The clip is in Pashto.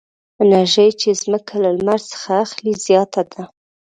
انرژي چې ځمکه له لمر څخه اخلي زیاته ده.